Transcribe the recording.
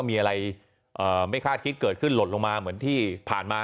มีอะไรไม่คาดคิดเกิดขึ้นหล่นลงมาเหมือนที่ผ่านมา